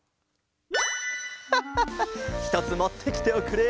ハッハッハひとつもってきておくれ。